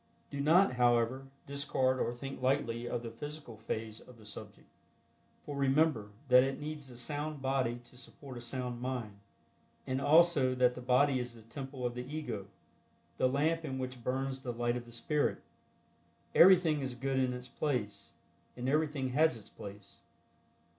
Do not, however, discard or think lightly of the physical phase of the subject, for remember that it needs a sound body to support a sound mind, and also that the body is the temple of the Ego, the lamp in which burns the light of the Spirit. Everything is good in its place, and everything has its place.